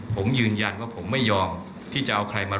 เพราะจิตห๊าวข้าน